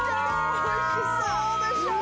おいしそうでしょう？